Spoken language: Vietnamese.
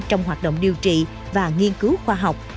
trong hoạt động điều trị và nghiên cứu khoa học